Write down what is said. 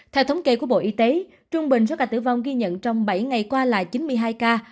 theo thống kê của bộ y tế trung bình số ca tử vong ghi nhận trong bảy ngày qua là chín mươi hai ca